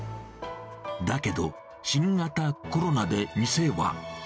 だけど、新型コロナで店は。